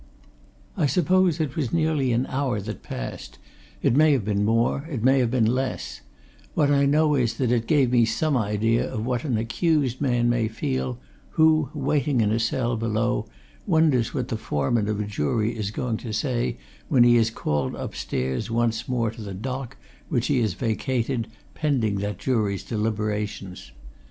I suppose it was nearly an hour that passed: it may have been more; it may have been less; what I know is that it gave me some idea of what an accused man may feel who, waiting in a cell below, wonders what the foreman of a jury is going to say when he is called upstairs once more to the dock which he has vacated pending that jury's deliberations.